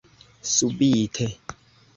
subite